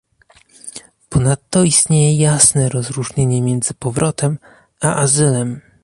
Ponadto istnieje jasne rozróżnienie między powrotem, a azylem